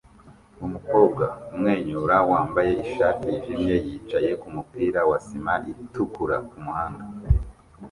Umukobwa umwenyura wambaye ishati yijimye yicaye kumupira wa sima itukura kumuhanda